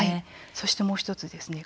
そしてもう１つですね